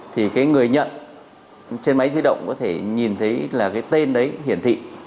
thì cái người nhận trên máy di động có thể nhìn thấy là cái tên đấy hiển thị